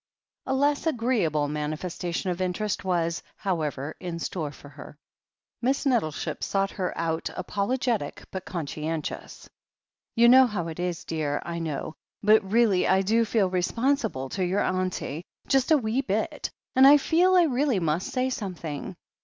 A less agreeable manifestation of interest was, how ever, in store for her. Miss Nettleship sought her out apologetic but con scientious. "You know how it is, dear, I know — ^but really I do feel responsible to your auntie, just a wee bit — ^and I feel I really must say something.